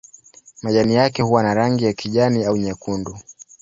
Majani yake huwa na rangi ya kijani au nyekundu.